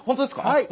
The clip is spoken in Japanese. はい。